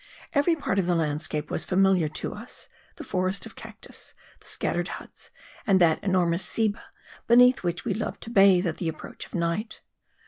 Every part of the landscape was familiar to us; the forest of cactus, the scattered huts and that enormous ceiba, beneath which we loved to bathe at the approach of night.